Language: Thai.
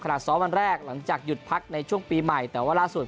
ซ้อมวันแรกหลังจากหยุดพักในช่วงปีใหม่แต่ว่าล่าสุด